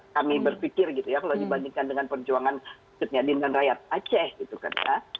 kami berpikir gitu ya kalau dibandingkan dengan perjuangan khususnyadin dan rakyat aceh gitu kan ya